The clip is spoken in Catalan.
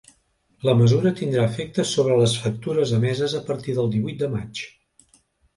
La mesura tindrà efecte sobre les factures emeses a partir del divuit de maig.